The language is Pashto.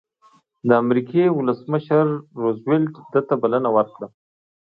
د امریکې ولسمشر روز وېلټ ده ته بلنه ورکړه.